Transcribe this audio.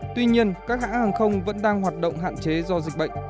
tuy nhiên các hãng hàng không vẫn đang hoạt động hạn chế do dịch bệnh